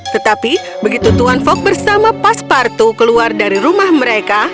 tetapi begitu tuan fogg bersama pastor patu keluar dari rumah mereka